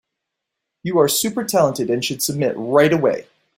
You are super talented and should submit right away.